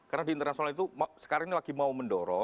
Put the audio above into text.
karena di internasional itu sekarang ini lagi mau mendorong